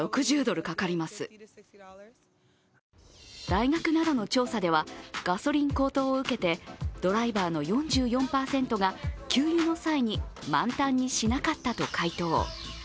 大学などの調査ではガソリン高騰を受けてドライバーの４４％が給油の際に満タンにしなかったと回答。